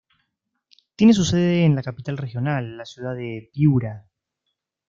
Tiene su sede en la capital regional, la ciudad de Piura.